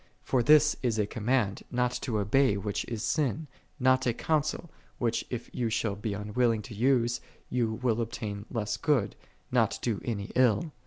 For this is a command, not to obey which is sin: not a counsel, which if you shall be unwilling to use, you will obtain less good, nol do any ill.